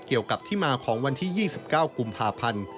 เกี่ยวกับที่มาของวันที่๒๙กุมภาพันธ์